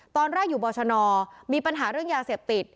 ตอนแรกอยู่บชนมีปัญหาเรื่องยาเสพติด